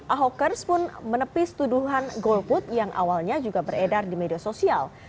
ahokers pun menepis tuduhan golput yang awalnya juga beredar di media sosial